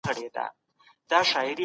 لوستې مور د صحي عادتونو روزنه کوي.